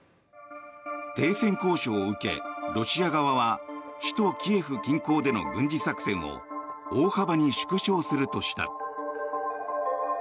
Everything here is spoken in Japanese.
停戦交渉を受け、ロシア側は首都キエフ近郊での軍事作戦を大幅に縮小するとした。